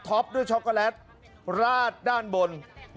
ด้วยช็อกโกแลตราดด้านบน